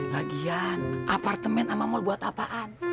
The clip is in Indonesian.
lagian apartemen sama mall buat apaan